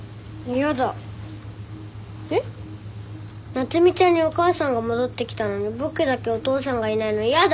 夏海ちゃんにお母さんが戻ってきたのに僕だけお父さんがいないの嫌だ！